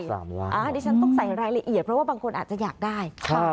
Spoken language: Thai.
อันนี้ฉันต้องใส่รายละเอียดเพราะว่าบางคนอาจจะอยากได้